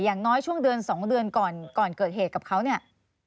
อย่างน้อยช่วงเดือน๒เดือนก่อนก่อนเกิดเหตุกับเขาเนี่ย